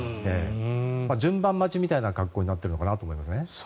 順番待ちみたいな格好になっているのかなと思います。